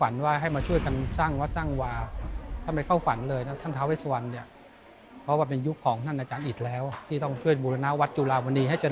แล้วชีวิตดีแค่ไหนครับ